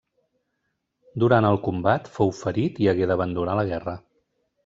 Durant el combat fou ferit i hagué d'abandonar la guerra.